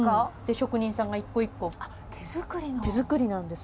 職人さんが一個一個手作りなんです。